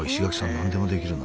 何でもできるな。